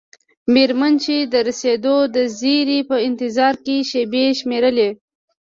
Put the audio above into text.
میرمن چې د رسیدو د زیري په انتظار کې شیبې شمیرلې.